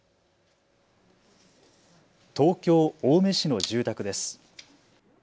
東京青梅市の住宅です。